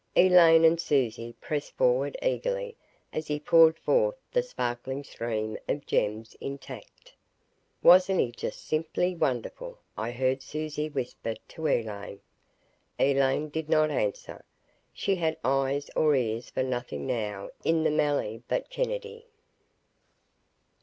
Elaine and Susie pressed forward eagerly as he poured forth the sparkling stream of gems, intact. "Wasn't he just simply wonderful!" I heard Susie whisper to Elaine. Elaine did not answer. She had eyes or ears for nothing now in the melee but Kennedy.